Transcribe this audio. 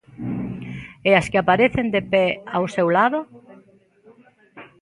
E as que aparecen de pé ao seu lado?